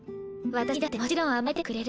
私にだってもちろん甘えてはくれる。